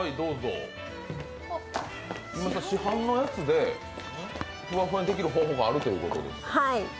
市販のやつでふわふわにできる方法があるということですか。